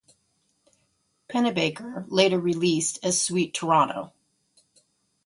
Pennebaker, later released as "Sweet Toronto".